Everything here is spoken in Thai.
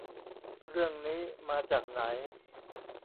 เรื่องนี้มาจากไหน